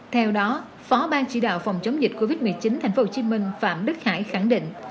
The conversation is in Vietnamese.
theo đó phó ban chỉ đạo phòng chống dịch covid một mươi chín thành phố hồ chí minh phạm đức hải khẳng định